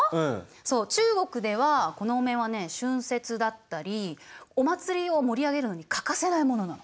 そう中国ではこのお面はね春節だったりお祭りを盛り上げるのに欠かせないものなの。